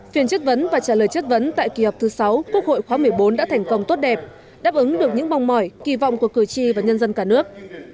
phiên chất vấn và trả lời chất vấn tại kỳ họp thứ sáu quốc hội khóa một mươi bốn đã thành công tốt đẹp đáp ứng được những mong mỏi kỳ vọng của cử tri và nhân dân cả nước